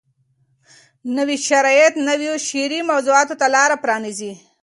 نوي شرایط نویو شعري موضوعاتو ته لار پرانیزي.